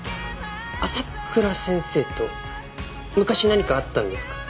朝倉先生と昔何かあったんですか？